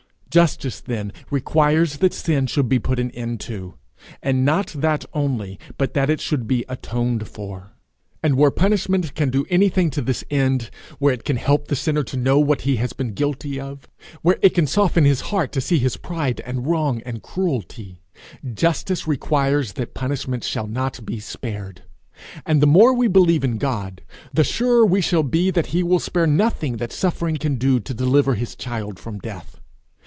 Justice then requires that sin should be put an end to; and not that only, but that it should be atoned for; and where punishment can do anything to this end, where it can help the sinner to know what he has been guilty of, where it can soften his heart to see his pride and wrong and cruelty, justice requires that punishment shall not be spared. And the more we believe in God, the surer we shall be that he will spare nothing that suffering can do to deliver his child from death.